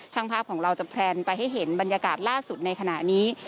ช่างภาพของเราจะแพลนไปให้เห็นบรรยากาศล่าสุดในขณะนี้